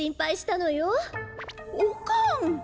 おかん。